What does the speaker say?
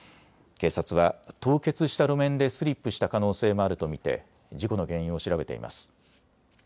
警察は凍結した路面でスリップした可能性もあると見て事故の原因を調べています。